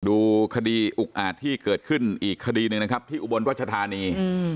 ดูคดีอุ๊กอาจที่เกิดขึ้นอีกคดีนึงที่อุบรณวัชฎานี